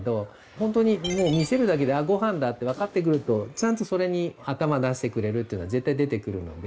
ほんとにもう見せるだけで「あっご飯だ」って分かってくるとちゃんとそれに頭出してくれるっていうのは絶対出てくるので。